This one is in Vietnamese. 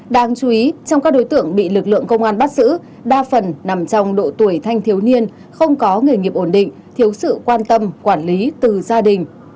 đáng chú ý trong các đối tượng bị lực lượng công an bắt giữ đa phần nằm trong độ tuổi thanh thiếu niên không có nghề nghiệp ổn định thiếu sự quan tâm quản lý từ gia đình